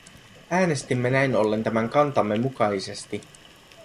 Äänestimme näin ollen tämän kantamme mukaisesti.